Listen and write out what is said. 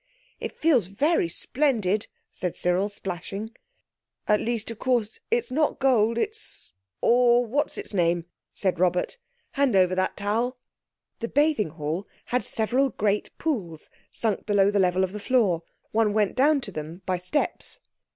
"It feels very splendid," said Cyril, splashing. "At least, of course, it's not gold; it's or—what's its name," said Robert. "Hand over that towel." The bathing hall had several great pools sunk below the level of the floor; one went down to them by steps.